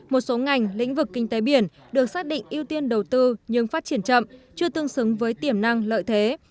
một số ngành lĩnh vực kinh tế biển được xác định ưu tiên đầu tư nhưng phát triển chậm chưa tương xứng với tiềm năng lợi thế